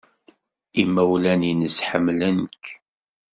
Imawlan-nnes ḥemmlen-k.